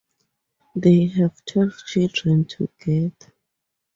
They had twelve children together.